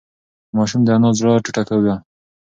ماشوم د انا د زړه ټوټه وه.